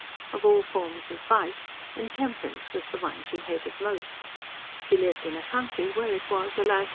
Of all forms of vice, intemperance was the one she hated most. She lived in a country where it was, alas!